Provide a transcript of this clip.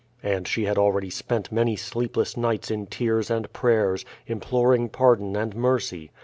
And she had already spent many sleepless night in tears and pray ers, imploring pardon and mercy.